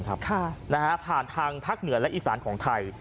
ผ่านทางภาคเหนือและอีสานของไทย